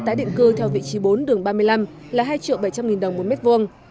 tái định cư theo vị trí bốn đường ba mươi năm là hai bảy trăm linh đồng mỗi mét vuông